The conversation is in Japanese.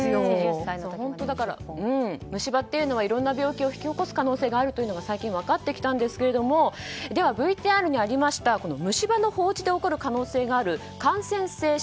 虫歯というのはいろんな病気を引き起こす可能性があるということが最近分かってきたんですがでは、ＶＴＲにありました虫歯の放置で起こる可能性がある感染性